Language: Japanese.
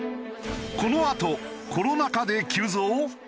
このあとコロナ禍で急増？